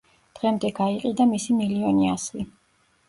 დღემდე გაიყიდა მისი მილიონი ასლი.